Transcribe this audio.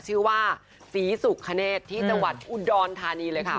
ชื่อว่าศรีสุขเนธที่จังหวัดอุดรธานีเลยค่ะ